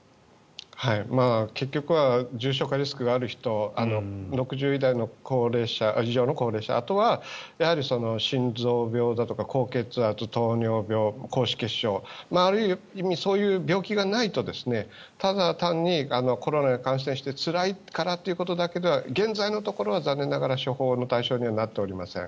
結局は重症化リスクがある人６０代以上の高齢者あとは、心臓病だとか高血圧、糖尿病、高脂血症ある意味そういう病気がないとただ単にコロナに感染してつらいからということだけでは現在のところは残念ながら処方の対象にはなっていません。